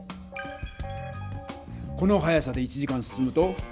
この速さで１時間進むと？